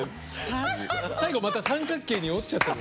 最後また三角形に折っちゃったり。